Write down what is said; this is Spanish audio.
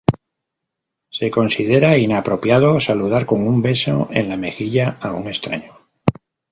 Se considera inapropiado saludar con un beso en la mejilla a un extraño.